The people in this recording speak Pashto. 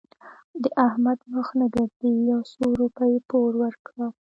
د احمد مخ نه ګرځي؛ يو څو روپۍ پور ورکړه.